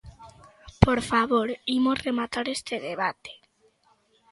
Por favor, imos rematar este debate.